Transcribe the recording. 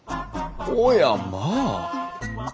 おやまあ。